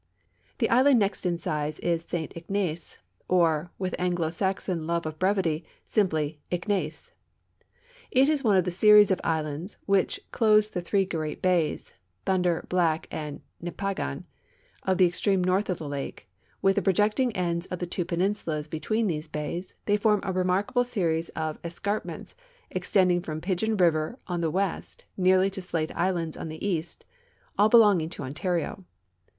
The island next in size is St Ignace, or, with Anglo Saxon love of brevit}^ simply Ignace. It is one of the series of islands which close the three great bays (Thunder, Black, and Nipigon) of the extreme north of the lake, and with the projecting ends of the two peninsulas between these bays they form a remarkable series of escarpments extending from Pigeon river on the west nearly to Slate islands on the east, all belonging to Ontario.